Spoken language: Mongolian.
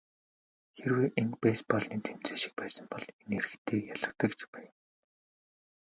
Хэрвээ энэ бейсболын тэмцээн шиг байсан бол энэ эрэгтэй ялагдагч юм.